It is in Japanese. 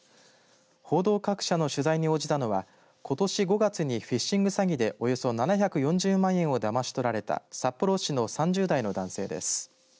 報道各社の取材に応じたのはことし５月にフィッシング詐欺でおよそ７４０万円をだまし取られた札幌市の３０代の男性です。